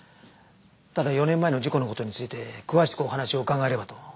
ただ４年前の事故の事について詳しくお話を伺えればと。